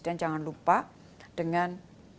dan jangan lupa dengan